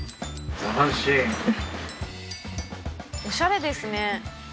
おしゃれですね。